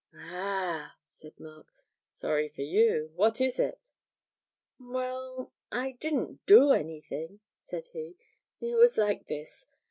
'Ah!' said Mark; 'sorry for you what is it?' 'Well, I didn't do anything,' said he. 'It was like this.